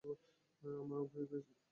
আমরাও ভয় পেয়েছি!